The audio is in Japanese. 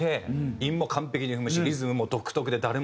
韻も完璧に踏むしリズムも独特で誰もまねできない。